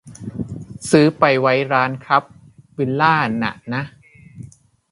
ซื้อไปไว้ร้านครับวิลล่าน่ะนะ